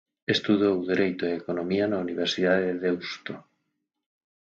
Estudou Dereito e Economía na Universidade de Deusto.